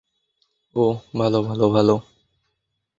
ওহ, ভালো, ভালো, ভালো।